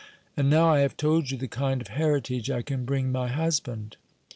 And now I have told you the kind of heritage I can bring my husband."